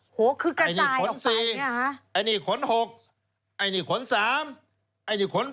โอ้โฮคือกระจายออกไปไอ้นี่ขน๔ไอ้นี่ขน๖ไอ้นี่ขน๓